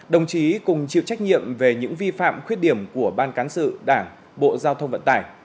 đồng chí cùng chịu trách nhiệm về những vi phạm khuyết điểm của ban cán sự đảng bộ giao thông vận tải